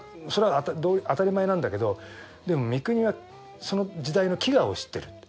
それは当たり前なんだけどでも三國はその時代の飢餓を知ってる。